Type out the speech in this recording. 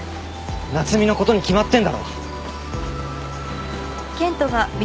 夏海のことに決まってんだろ。